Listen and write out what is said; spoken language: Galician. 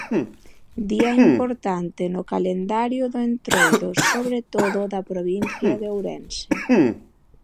Día importante no calendario do Entroido, sobre todo da provincia de Ourense.